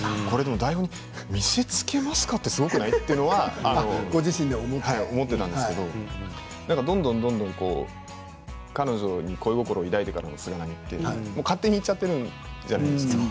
台本を見て見せつけますか？というのすごくないと思っていたんですけどどんどん彼女に恋心を抱いてからの菅波って勝手にいっちゃっているじゃないですか。